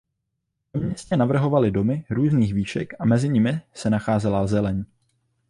Ve městě navrhovali domy různých výšek a mezi nimi se měla nacházet zeleň.